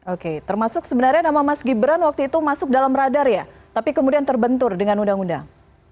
oke termasuk sebenarnya nama mas gibran waktu itu masuk dalam radar ya tapi kemudian terbentur dengan undang undang